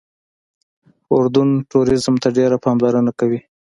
اردن ټوریزم ته ډېره پاملرنه کوي.